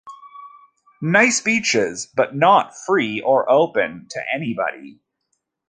Nice beaches but not free or open to anybody.